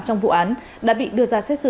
trong vụ án đã bị đưa ra xét xử